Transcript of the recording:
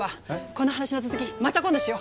この話の続きまた今度しよ。